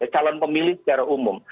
calon pemilih secara umum